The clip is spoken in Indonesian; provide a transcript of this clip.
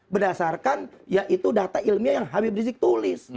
berdasarkan yaitu data ilmiah yang habib rizik tulis